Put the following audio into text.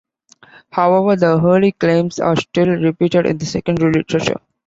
However, the early claims are still repeated in the secondary literature.